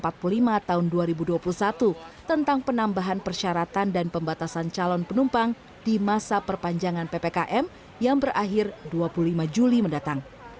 pada tahun dua ribu dua puluh satu tentang penambahan persyaratan dan pembatasan calon penumpang di masa perpanjangan ppkm yang berakhir dua puluh lima juli mendatang